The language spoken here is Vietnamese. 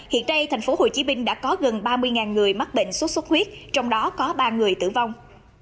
hiện nay thành phố hồ chí minh đã có gần ba mươi người mắc bệnh sốt xuất huyết trong đó có ba người tử vong